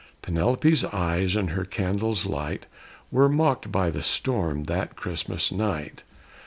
Penelope's eyes and her candle's light Were mocked by the storm that Christmas night.